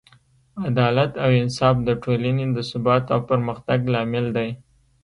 عدالت او انصاف د ټولنې د ثبات او پرمختګ لامل دی.